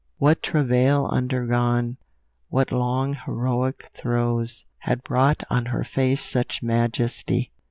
What travail undergone, what long heroic throes, had brought on her face such majesty!